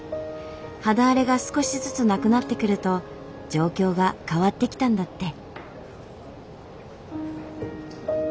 肌荒れが少しずつなくなってくると状況が変わってきたんだって。